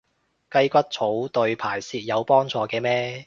雞骨草對排泄有幫助嘅咩？